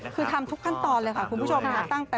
คือทำทุกขั้นตอนเลยค่ะคุณผู้ชมค่ะ